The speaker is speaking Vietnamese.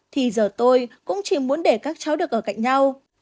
thì giờ tôi cũng chỉ muốn để các cháu được ở cạnh nhau